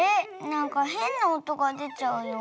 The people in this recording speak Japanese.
なんかへんなおとがでちゃうよ。